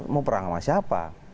mau perang sama siapa